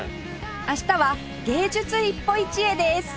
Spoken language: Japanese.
明日は芸術一歩一会です